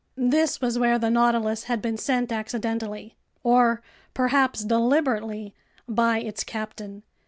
This was where the Nautilus had been sent accidentally—or perhaps deliberately—by its captain.